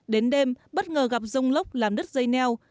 đến đêm bất ngờ gặp rông lốc làm đứt dây neo